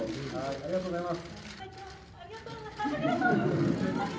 ありがとうございます。